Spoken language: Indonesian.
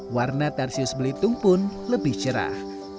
warna tarsius belitung pun lebih cerah